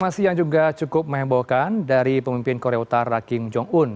informasi yang juga cukup membohkan dari pemimpin korea utara king jong un